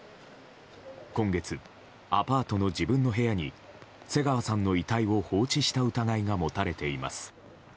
今月、アパートの自分の部屋に瀬川さんの遺体を放置した疑いが持たれています。